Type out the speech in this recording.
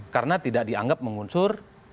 karena tidak dianggap mengunsur